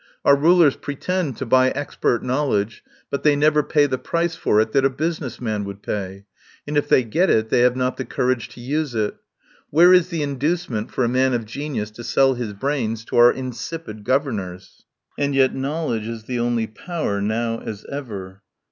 Our rulers pretend to buy expert knowledge, but they never pay the price for it that a business man would pay, and if they get it they have not the courage to use it. Where is the inducement for a man of genius to sell his brains to our insipid governors? "And yet knowledge is the only power — now as ever.